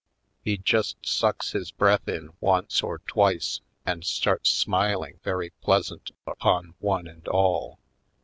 He just sucks his breath in once or tv\ace and starts smil ing very pleasant upon one and all.